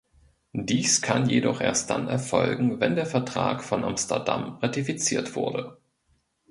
Dies kann jedoch erst dann erfolgen, wenn der Vertrag von Amsterdam ratifiziert wurde.